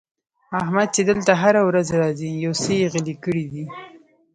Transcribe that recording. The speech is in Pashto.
احمد چې دلته هره ورځ راځي؛ يو سوی يې غلی کړی دی.